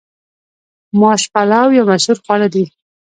ماش پلو یو مشهور خواړه دي.